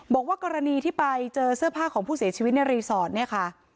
บอกว่ากรณีที่ไปเจอเสื้อผ้าของผู้เสียชีวิตในรีสอร์ทเนี่ยค่ะ